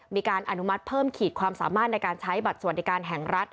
มีการอนุมัติเพิ่มขีดความสามารถในการใช้บัตรสวัสดิการแห่งรัฐ